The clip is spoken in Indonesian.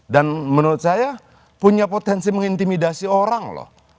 dan menurut saya punya potensi mengintimidasi orang loh